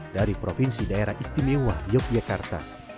dari provinsi daerah istimewa yogyakarta